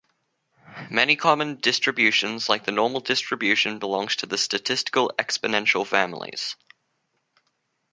Many common distributions like the normal distribution belongs to the statistical exponential families.